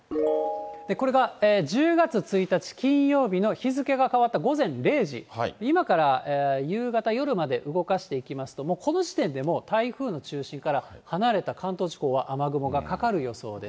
これが１０月１日金曜日の日付が変わった午前０時、今から夕方、夜まで動かしていきますと、もうこの時点でもう台風の中心から離れた関東地方は雨雲がかかる予想です。